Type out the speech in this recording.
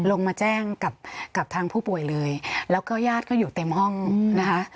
ลงมาแจ้งกับกับทางผู้ป่วยเลยแล้วก็ญาติก็อยู่เต็มห้องนะคะ